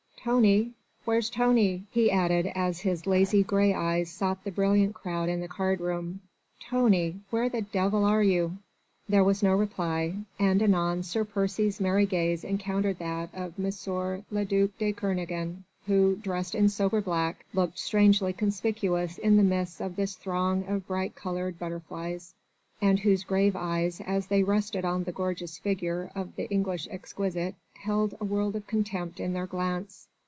Tony! Where's Tony!" he added as his lazy grey eyes sought the brilliant crowd in the card room. "Tony, where the devil are you?" There was no reply, and anon Sir Percy's merry gaze encountered that of M. le duc de Kernogan who, dressed in sober black, looked strangely conspicuous in the midst of this throng of bright coloured butterflies, and whose grave eyes, as they rested on the gorgeous figure of the English exquisite, held a world of contempt in their glance.